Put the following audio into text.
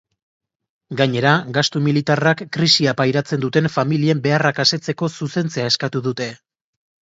Gainera, gastu militarrak krisia pairatzen duten familien beharrak asetzeko zuzentzea eskatu dute.